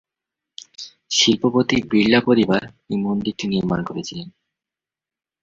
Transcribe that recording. শিল্পপতি বিড়লা পরিবার এই মন্দিরটি নির্মাণ করেছিলেন।